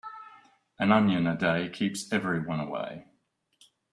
An onion a day keeps everyone away.